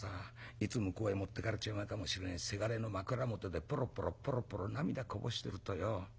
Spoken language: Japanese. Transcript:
いつ向こうへ持ってかれちまうかもしれねえせがれの枕元でぽろぽろぽろぽろ涙こぼしてるとよ。